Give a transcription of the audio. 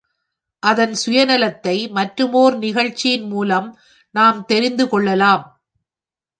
அதன் சுய நலத்தை மற்றுமோர் நிகழ்ச்சியின் மூலம் நாம் தெரிந்துகொள்ளலாம்.